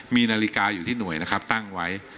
มีนาฬิกาอยู่ที่หน่วยนะครับตั้งไว้